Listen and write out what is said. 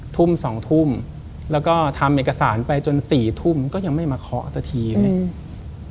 ทุ่ม๒ทุ่มแล้วก็ทำเอกสารไปจน๔ทุ่มก็ยังไม่มาเคาะสักทีไง